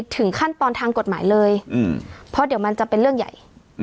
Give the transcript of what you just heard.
ถึงขั้นตอนทางกฎหมายเลยเพราะเดี๋ยวมันจะเป็นเรื่องใหญ่